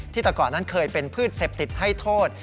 ตะก่อนนั้นเคยเป็นพืชเสพติดให้โทษ